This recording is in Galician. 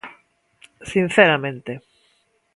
Sinceramente.